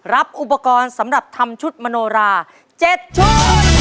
รับอุปกรณ์สำหรับทำชุดมโนรา๗ชุด